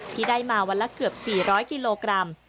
ที่ได้มาวันละเกือบ๔๐๐กิโลกรัม